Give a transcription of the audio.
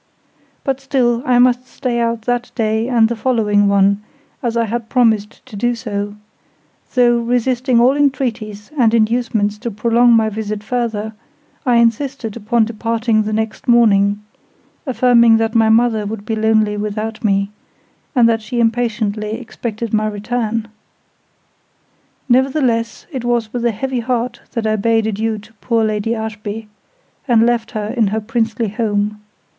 But still, I must stay out that day and the following one, as I had promised to do so: though, resisting all entreaties and inducements to prolong my visit further, I insisted upon departing the next morning; affirming that my mother would be lonely without me, and that she impatiently expected my return. Nevertheless, it was with a heavy heart that I bade adieu to poor Lady Ashby, and left her in her princely home.